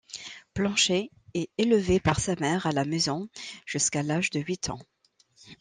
Planché est élevé par sa mère à la maison jusqu'à l'âge de huit ans.